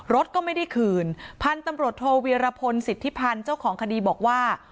รถก็ไม่ได้คืนพันธุ์ตำรวจโทเวียรพลสิทธิพันธ์เจ้าของคดีบอกว่า